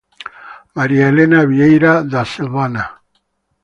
Maria Helena Vieira da Silvana".